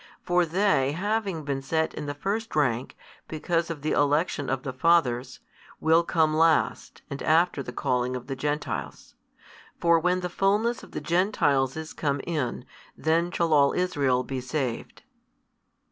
For they having been set in the first rank because of the election of the fathers, will come last and after the calling of the Gentiles. For when the fulness of the Gentiles is come in, then shall all Israel be saved.